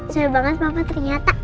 seneng banget papa ternyata